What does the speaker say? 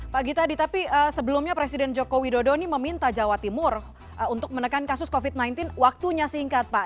pak gita di tapi sebelumnya presiden joko widodo ini meminta jawa timur untuk menekan kasus covid sembilan belas waktunya singkat pak